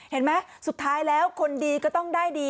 เห็นไหมสุดท้ายแล้วคนดีก็ต้องได้ดี